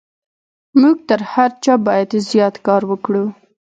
موږ تر هر چا بايد زيات کار وکړو.